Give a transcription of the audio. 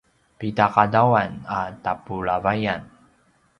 pida qadawan a tapulavayan?